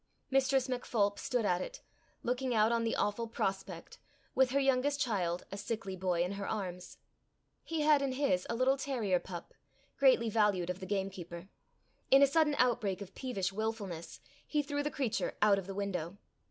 Mistress MacPholp stood at it, looking out on the awful prospect, with her youngest child, a sickly boy, in her arms. He had in his a little terrier pup, greatly valued of the gamekeeper. In a sudden outbreak of peevish wilfulness, he threw the creature out of the window.